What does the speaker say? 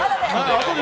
あとで。